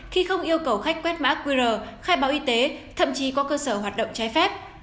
khi không yêu cầu khách quét mã qr khai báo y tế thậm chí có cơ sở hoạt động trái phép